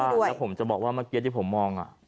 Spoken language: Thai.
แล้วผมจะบอกว่าเมื่อกี้ที่ผมมอง